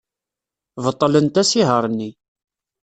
Beṭlent asihaṛ-nni.